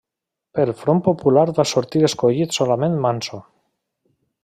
Pel Front Popular va sortir escollit solament Manso.